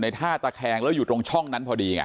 ท่าตะแคงแล้วอยู่ตรงช่องนั้นพอดีไง